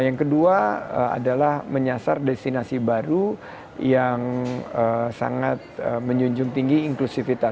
yang kedua adalah menyasar destinasi baru yang sangat menjunjung tinggi inklusivitas